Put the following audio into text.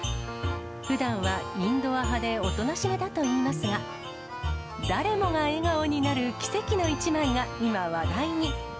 ふだんはインドア派でおとなしめだといいますが、誰もが笑顔になる奇跡の一枚が今、話題に。